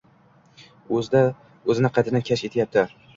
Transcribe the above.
Oʻzini qaytadan kashf etyapti.